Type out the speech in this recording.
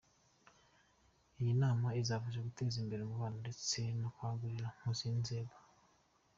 Iyi nama izafasha mu guteza mbere umubano ndetse no kuwagurira mu zindi nzego”.